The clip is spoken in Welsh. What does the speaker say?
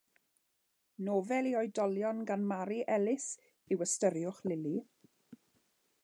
Nofel i oedolion gan Mari Ellis yw Ystyriwch Lili.